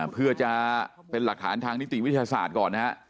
เพื่อจะเป็นหลักฐานทางนิติวิทยาศาสตร์ก่อนนะฮะ